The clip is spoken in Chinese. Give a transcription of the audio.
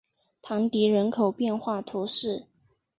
唐迪人口变化图示